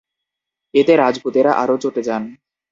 এতে রাজপুতেরা আরও চটে যান।